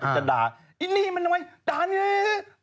เขาจะด่าอ๋อนี่มันอะไรด่าเนี่ย